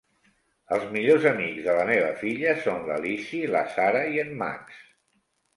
Els millors amics de la meva filla són la Lizzie, la Sarah i en Max.